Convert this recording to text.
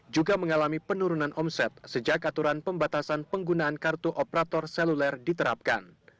juga mengalami penurunan omset sejak aturan pembatasan penggunaan kartu operator seluler diterapkan